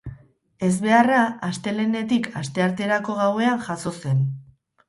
Ezbeharra astelehenetik astearterako gauean jazo zen.